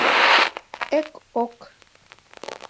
«Эк-ок»